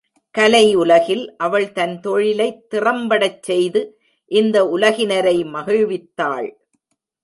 கலை உலகில் அவள் தன் தொழிலைத் திறம்படச் செய்து இந்த உலகினரை மகிழ்வித்தாள்.